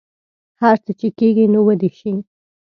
هر څه چې کیږي نو ودې شي